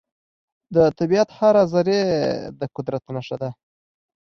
د طبیعت هره ذرې د قدرت نښه ده.